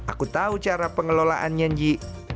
aku tahu cara pengelolaannya nji